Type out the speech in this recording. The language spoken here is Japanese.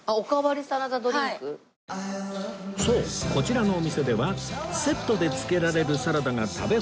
そうこちらのお店ではセットで付けられるサラダが食べ放題